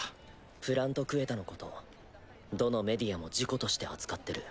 プラント・クエタのことどのメディアも事故として扱ってる。